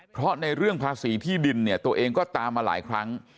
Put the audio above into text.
เพราะในเรื่องภาษีที่ดินเนี่ยตัวเองก็ตามมาหลายครั้ง